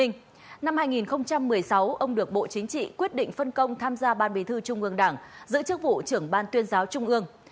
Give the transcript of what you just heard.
năm hai nghìn một mươi sáu ông được bộ chính trị quyết định phân công tham gia ban bí thư trung ương đảng giữ chức vụ trưởng ban tuyên giáo trung ương